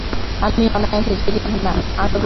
আমিও অনায়াসে চিঠিখানা আগাগোড়া পড়তে পেরেছি।